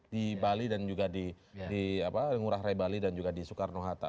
di bali dan juga di ngurah rai bali dan juga di soekarno hatta